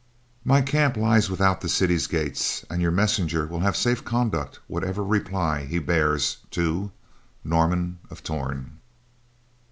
My camp lies without the city's gates, and your messenger will have safe conduct whatever reply he bears to, Norman of Torn.